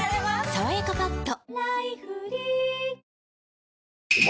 「さわやかパッド」